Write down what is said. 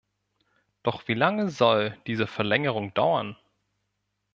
Doch wie lange soll diese Verlängerung dauern?